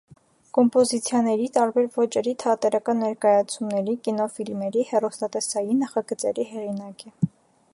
Բազմաթիվ կոմպոզիցիաների, տարբեր ոճերի թատերական ներկայացումների, կինոֆիլմերի, հեռուստատեսային նախագծերի հեղինակ է։